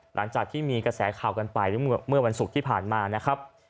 หลังจากที่มีกระแสข่าวกันไปเมื่อวันศุกร์ที่ผ่านมานะครับ